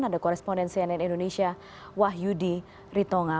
ada koresponden cnn indonesia wahyudi ritonga